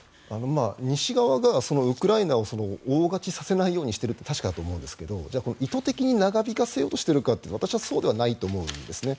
西側がウクライナを大勝ちさせないようにしているのは確かなんですけど意図的に長引かせようとしているかというと私はそうじゃないと思うんですね。